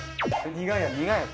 苦いやつ？